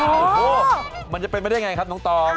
โอ้โหมันจะเป็นไปได้ไงครับน้องตอง